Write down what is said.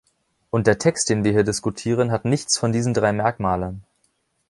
Und der Text, den wir hier diskutieren, hat nichts von diesen drei Merkmalen.